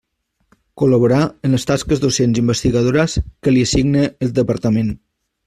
Col·laborar en les tasques docents i investigadores que li assigne el departament.